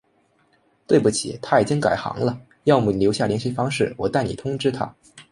对不起，他已经改行了，要么你留下联系方式，我代你通知他。